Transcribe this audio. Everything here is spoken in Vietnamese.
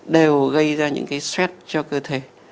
đều gây ra những cái stress cho cơ thể